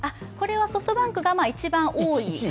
ソフトバンクが一番多い。